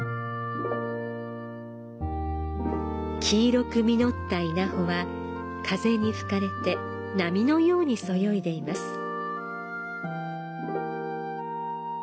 黄色く実った稲穂は、風に吹かれて波のようにそよいでいます。